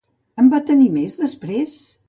En va tenir més, després?